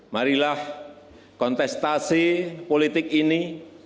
marilah kontestasi politik ini